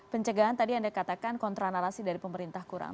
pencegahan tadi anda katakan kontra narasi dari pemerintah kurang